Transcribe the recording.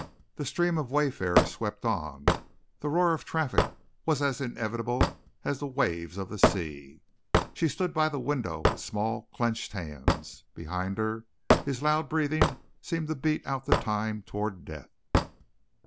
The stream of wayfarers swept on, the roar of traffic was as inevitable as the waves of the sea. She stood by the window with small, clenched hands. Behind her, his loud breathing seemed to beat out the time toward Death.